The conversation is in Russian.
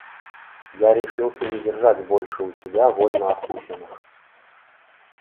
Я решился не держать больше у себя вольноотпущенных.